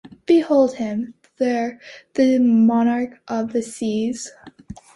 Behold him there, the monarch of the seas!